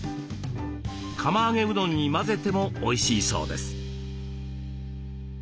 釜揚げうどんに混ぜてもおいしいそうです。